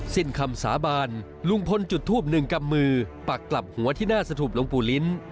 สิ้นคำสาบานลุงพลจุดทูบหนึ่งกำมือปักกลับหัวที่หน้าสถุปหลวงปู่ลิ้น